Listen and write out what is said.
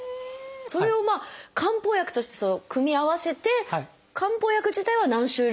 それを漢方薬として組み合わせて漢方薬自体は何種類ぐらいあるんですか？